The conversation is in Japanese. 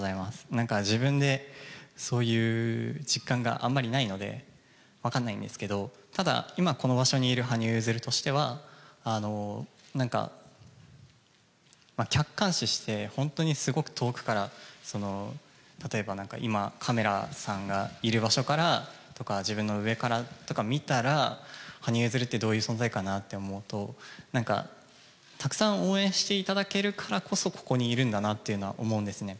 なんか、自分でそういう実感があんまりないので、分かんないんですけど、ただ、今、この場所にいる羽生結弦としては、なんか、客観視して、本当にすごく遠くから、例えばなんか、今、カメラさんがいる場所からとか、自分の上からとか見たら、羽生結弦ってどういう存在かなって思うと、なんか、たくさん応援していただけるからこそ、ここにいるんだなっていうのは思うんですね。